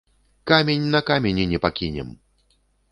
Камень на камені не пакінем!